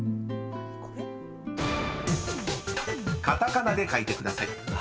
［カタカナで書いてください］